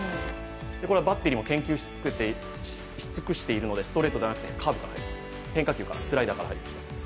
これはバッテリーも研究し尽くしているのでストレートではなくてカーブ、変化球、スライダーから入りました。